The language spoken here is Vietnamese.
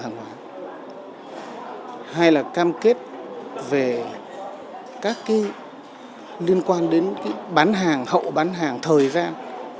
hay là cam kết về các liên quan đến bán hàng hậu bán hàng thời gian